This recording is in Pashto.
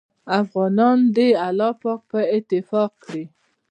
افغانان دې الله پاک په اتفاق کړي